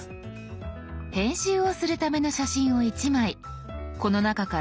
編集をするための写真を１枚この中から選ぶ必要があります。